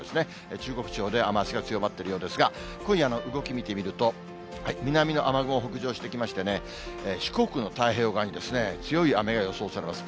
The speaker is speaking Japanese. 中国地方で雨足が強まっているようですが、今夜の動き見てみると、南の雨雲、北上してきましてね、四国の太平洋側に強い雨が予想されます。